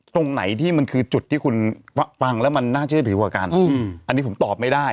ตรงไหนที่มันคือจุดที่คุณฟังแล้วมันน่าเชื่อถือกว่ากันอันนี้ผมตอบไม่ได้